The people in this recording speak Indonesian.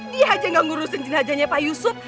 dia aja nggak ngurusin jenazahnya pak yusuf